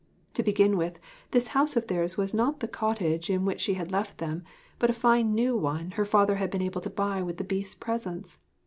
To begin with, this house of theirs was not the cottage in which she had left them, but a fine new one her father had been able to buy with the Beast's presents.